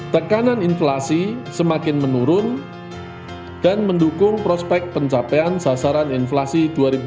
tekanan inflasi semakin menurun dan mendukung prospek pencapaian sasaran inflasi dua ribu dua puluh